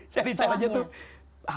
cari caranya tuh